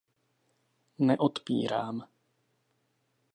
Neodpírám!